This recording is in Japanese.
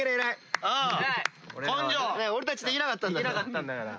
できなかったんだから。